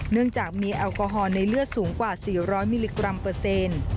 เนื่องจากมีแอลกอฮอล์ในเลือดสูงกว่า๔๐๐มิลลิกรัมเปอร์เซ็นต์